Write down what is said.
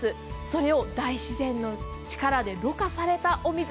それを大自然の力でろ過されたお水。